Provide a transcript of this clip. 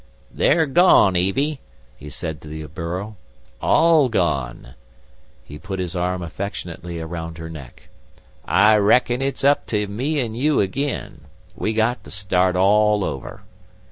"They're gone, Evie," he said to the burro, "all gone." He put his arm affectionately around her neck. "I reckon it's up to me and you agin. We got to start all over."